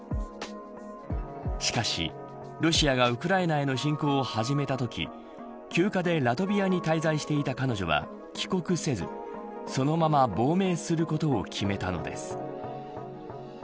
しかし、ロシアがウクライナへの侵攻を始めたとき休暇でラトビアに滞在していた彼女は帰国せずそのまま亡命することを決めたのです。